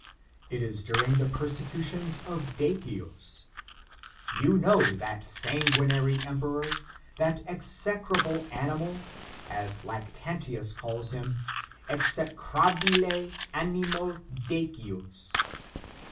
It is during the persecu tions of Decius ; you know that sanguinary emperor, that execrable animal, as Lactantius calls him : execrabile animal Decius.